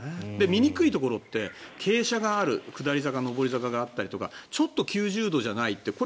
見にくいところって傾斜がある下り坂、上り坂があったりとかちょっと９０度じゃないって